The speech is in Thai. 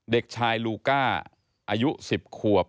เด็กชายลูก้าอายุ๑๐ขวบ